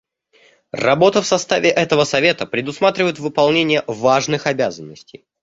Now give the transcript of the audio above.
Работа в составе этого Совета предусматривает выполнение важных обязанностей.